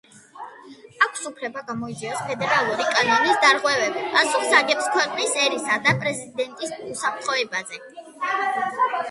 აქვს უფლება გამოიძიოს ფედერალური კანონის დარღვევები, პასუხს აგებს ქვეყნის, ერისა და პრეზიდენტის უსაფრთხოებაზე.